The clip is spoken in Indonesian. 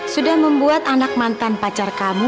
sudah membuat anak mantan pacar kamu